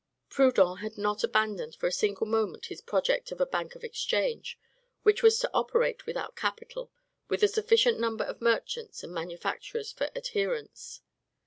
Proudhon had not abandoned for a single moment his project of a Bank of Exchange, which was to operate without capital with a sufficient number of merchants and manufacturers for adherents.